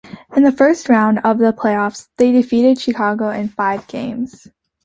In the first round of the playoffs, they defeated Chicago in five games.